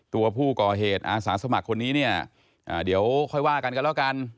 ตัวผู้ก่อเหตุอาสาสมัครคนนี้เนี่ยเดี๋ยวค่อยว่ากันกันแล้วกัน